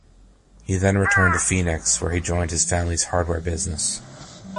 He then returned to Phoenix, where he joined his family's hardware business.